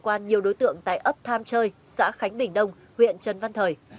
gắn nhiều đối tượng tại ấp tham trời xã khánh bình đông huyện trần văn thời